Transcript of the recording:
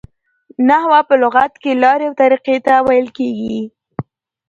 نحوه په لغت کښي لاري او طریقې ته ویل کیږي.